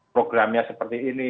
programnya seperti ini